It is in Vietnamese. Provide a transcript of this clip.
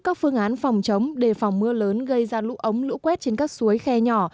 các phương án phòng chống đề phòng mưa lớn gây ra lũ ống lũ quét trên các suối khe nhỏ